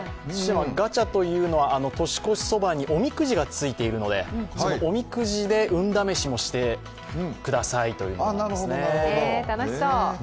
ガチャというのは年越しそばにおみくじがついているので、そのおみくじで運試しもしてくださいというものです。